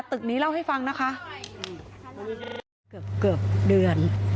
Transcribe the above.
ตึกนี้เล่าให้ฟังนะคะเกือบเกือบเดือน